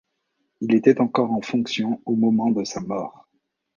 Il était encore en fonction au moment de sa mort.